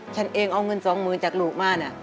ฉันเองเอาเงินสองหมื่นจากลูกมาเนี่ย